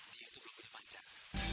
dia itu belum punya pacar